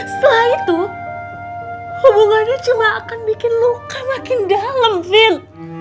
setelah itu hubungannya cuma akan bikin luka makin dalam fin